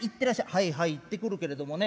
「はいはい行ってくるけれどもね。